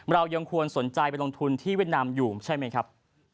เรายังควรสนใจไปลงทุนที่เวียดนามอยู่ใช่ไหมครับ